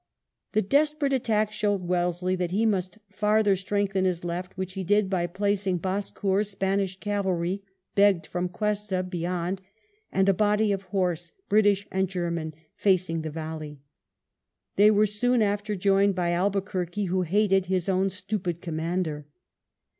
The desperate attack showed Wellesley that he must farther strengthen his left, which he did by placing Bassecour's Spanish cavalry, begged from Cuesta, beyond, and a body of horse, British and German, facing the valley. They were soon after joined by Albuquerque, who hated his own stupid commander.